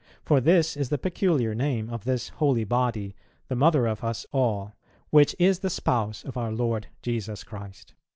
For this is the peculiar name of this Holy Body, the Mother of us all, which is the Spouse of our Lord Jesus Christ."